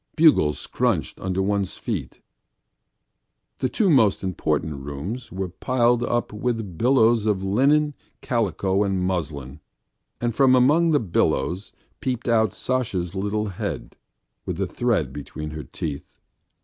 Bugles scrunched under one's feet. The two most important rooms were piled up with billows of linen, calico, and muslin and from among the billows peeped out Sasha's little head with a thread between her teeth.